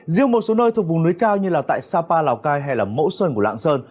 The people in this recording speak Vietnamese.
riêng một số nơi thuộc vùng núi cao như tại sapa lào cai hay mẫu sơn của lạng sơn